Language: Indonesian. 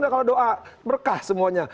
kalau doa berkah semuanya